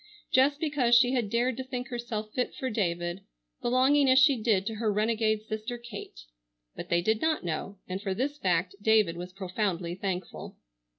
Just because she had dared to think herself fit for David, belonging as she did to her renegade sister Kate. But they did not know, and for this fact David was profoundly thankful.